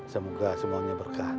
semoga semuanya berkah